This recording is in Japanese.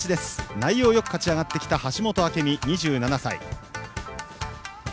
内容よく勝ち上がってきた橋本朱未、２７歳。